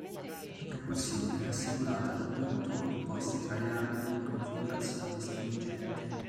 La propulsione era assicurata da due motori posti tra le ali in configurazione spingente.